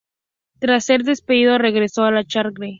Tras ser despedido, regresó a los Charge.